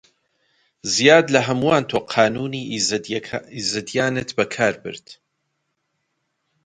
زیاد لە هەمووان تۆ قانوونی ئیزدیانت بەکار برد: